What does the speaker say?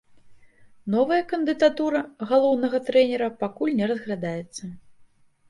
Новая кандыдатура галоўнага трэнера пакуль не разглядаецца.